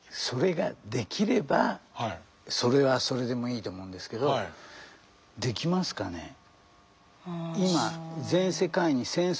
それができればそれはそれでもいいと思うんですけどできますかね？